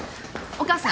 お母さん。